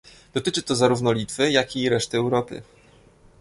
Dotyczy to zarówno Litwy, jak i reszty Europy